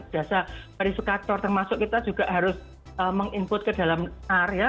jasa perisukator termasuk kita juga harus meng input ke dalam area